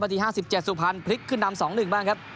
อาที๕๗สุพันธ์พลิกขึ้นดำ๒๑บ้างครับ